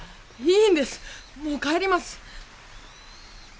いいんですもう帰ります。